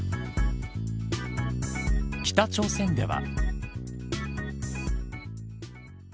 北朝鮮では。